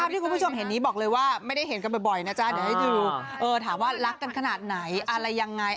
ที่คุณผู้ชมเห็นนี้บอกเลยว่าไม่ได้เห็นกันบ่อยนะจ๊ะเดี๋ยวให้ดูถามว่ารักกันขนาดไหนอะไรยังไง